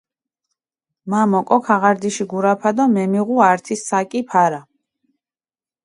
მა მოკო ქაღარდიში გურაფა დო მემიღუ ართი საკი ფარა.